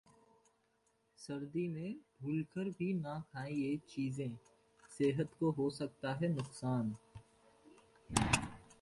सर्दी में भूलकर भी ना खाएं ये चीजें, सेहत को हो सकता है नुकसान!